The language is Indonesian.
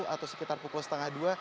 atau sekitar pukul setengah dua